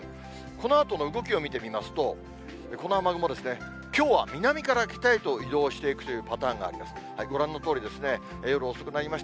このあとの動きを見てみますと、この雨雲、きょうは南から北へと移動していくというパターンになります。